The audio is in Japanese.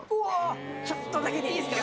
ちょっとだけいいですか？